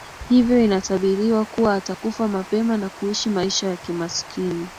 hivyo inatabiriwa kuwa atakufa mapema au kuishi maisha ya kimasikini